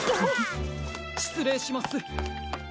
しつれいします！